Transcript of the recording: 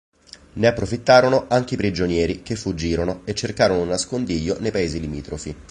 Ne approfittarono anche i prigionieri che fuggirono e cercarono un nascondiglio nei paesi limitrofi.